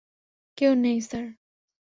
কেউ নেই, স্যার।